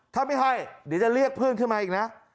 ถ้าไม่ให้เดี๋ยวจะเรียกเพื่อนขึ้นมาอีกนะ